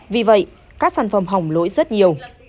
vì vậy các sản phẩm hỏng lỗi rất nhiều